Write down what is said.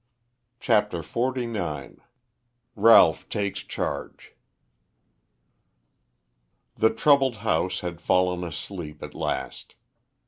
CHAPTER XLIX RALPH TAKES CHARGE The troubled house had fallen asleep at last.